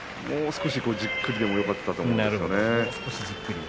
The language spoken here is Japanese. もう少し、じっくりでもよかったと思うんですよね。